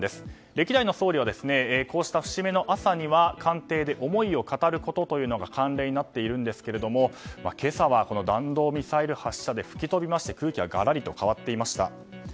歴代の総理はこうした節目の朝には官邸で思いを語ることが慣例となっているんですが今朝はこの弾道ミサイル発射で吹き飛びまして空気ががらりと変わっていました。